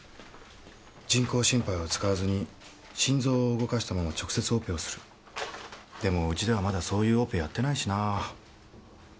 人工心肺は使わずに心臓を動かしたまま直接オペするでもウチではまだそういうオペやってないしな